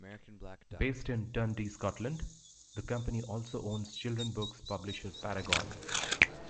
Based in Dundee, Scotland, the company also owns children books publisher Parragon.